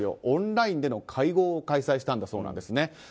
オンラインでの会合を開催したそうなんです。